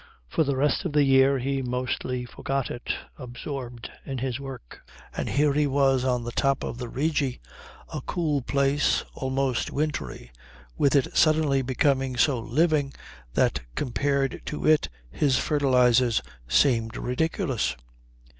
For the rest of the year he mostly forgot it, absorbed in his work. And here he was on the top of the Rigi, a cool place, almost, wintry, with it suddenly become so living that compared to it his fertilizers seemed ridiculous.